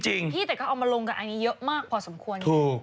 พี่แต่ก็เอามาลงกับอันนี้เยอะมากพอสมควร